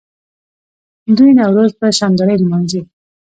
دوی نوروز په شاندارۍ لمانځي.